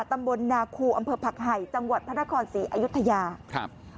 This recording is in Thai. ตำบลนาคูอำเภอผักไห่จังหวัดพระนครศรีอยุธยาครับ